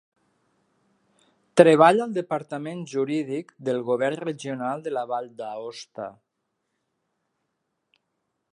Treballa al departament jurídic del govern regional de la Vall d'Aosta.